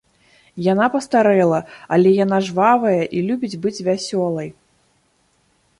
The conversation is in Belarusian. Яна пастарэла, але яна жвавая і любіць быць вясёлай.